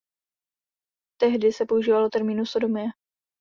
Tehdy se používalo termínu sodomie.